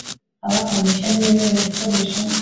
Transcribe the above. abahawe impushya ntibemerewe gukoresha